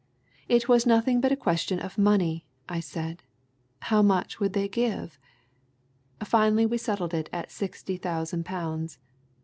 It was nothing but a question of money, I said how much would they give? Finally, we settled it at sixty thousand pounds.